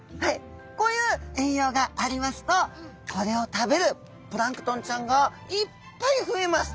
こういう栄養がありますとこれを食べるプランクトンちゃんがいっぱい増えます。